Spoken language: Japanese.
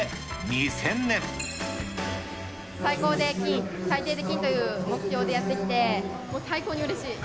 最高で金、最低で金という目標でやってきて、もう最高にうれしい！